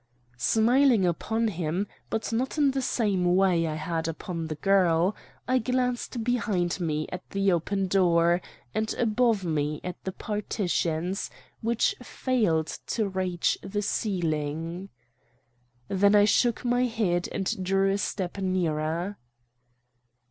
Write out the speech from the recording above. "Smiling upon him, but not in the same way I had upon the girl, I glanced behind me at the open door, and above me at the partitions, which failed to reach the ceiling. Then I shook my head and drew a step nearer.